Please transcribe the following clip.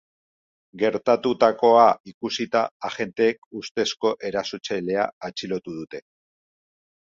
Gertatutakoa ikusita, agenteek ustezko erasotzailea atxilotu dute.